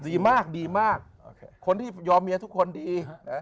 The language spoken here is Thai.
ดีมากดีมากคนที่ยอมเมียทุกคนดีนะ